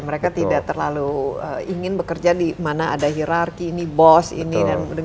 mereka tidak terlalu ingin bekerja di mana ada hirarki ini bos ini